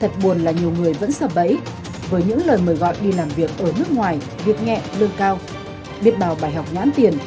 thật buồn là nhiều người vẫn sợ bẫy với những lời mời gọi đi làm việc ở nước ngoài việc nhẹ lương cao biết bào bài học nhãn tiền